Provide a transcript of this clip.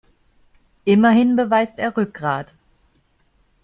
Immerhin beweist er Rückgrat.